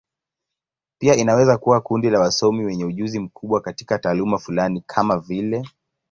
Pia inaweza kuwa kundi la wasomi wenye ujuzi mkubwa katika taaluma fulani, kama vile.